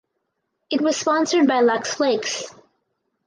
It was sponsored by Lux Flakes.